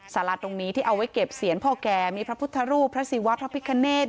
สาราตรงนี้ที่เอาไว้เก็บเสียงพ่อแก่มีพระพุทธรูปพระศิวะพระพิคเนธ